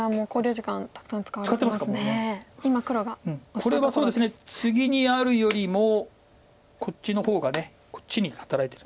これはそうですねツギにあるよりもこっちの方がこっちに働いてる。